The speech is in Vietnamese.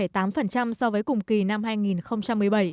tăng hai mươi tám so với cùng kỳ năm hai nghìn một mươi bảy